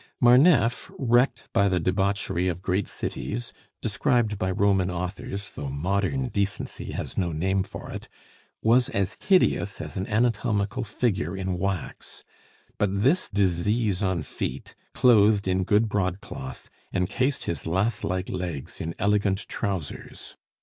Marneffe, wrecked by the debauchery of great cities, described by Roman authors, though modern decency has no name for it, was as hideous as an anatomical figure in wax. But this disease on feet, clothed in good broadcloth, encased his lathlike legs in elegant trousers.